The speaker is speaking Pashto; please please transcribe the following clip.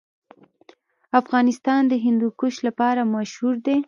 افغانستان د هندوکش لپاره مشهور دی.